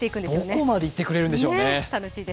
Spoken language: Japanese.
どこまで行ってくれるんでしょうね。